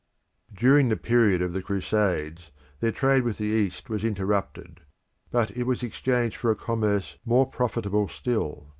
During the period of the Crusades, their trade with the East was interrupted but it was exchanged for a commerce more profitable still.